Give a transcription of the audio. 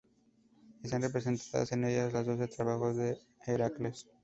Están representadas en ellas los doce trabajos de Heracles.